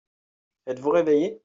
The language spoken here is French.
Êtes-vous réveillé ?